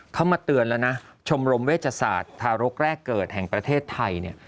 เขามาเตือนแล้วนะชมรมเวชศาสตร์ทารกแรกเกิดแห่งประเทศไทยเนี่ย